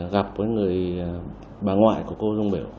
gặp người bà ngoại của cô dung biểu